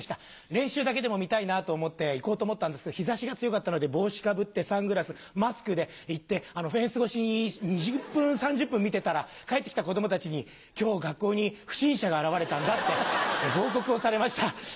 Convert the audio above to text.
練習だけでも見たいなと思って行こうと思ったんですが日差しが強かったので帽子かぶってサングラスマスクで行ってフェンス越しに２０分３０分見てたら帰って来た子供たちに「今日学校に不審者が現れたんだ」って報告をされました。